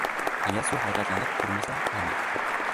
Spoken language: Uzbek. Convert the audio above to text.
Agar suv harakatlanib turmasa, ayniydi.